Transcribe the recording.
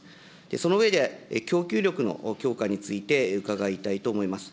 その上で、供給力の強化について、伺いたいと思います。